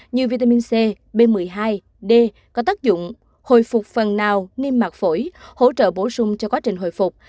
như vitamin c b một mươi hai d có tác dụng hồi phục phần nào niêm mạc phổi hỗ trợ bổ sung cho quá trình hồi phục